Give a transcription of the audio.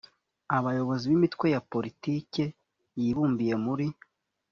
abayobozi b’imitwe ya politiki yibumbiye muri